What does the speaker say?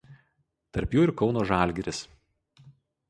Tarp jų ir Kauno „Žalgiris“.